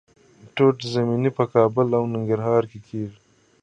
توت زمینی په کابل او ننګرهار کې کیږي.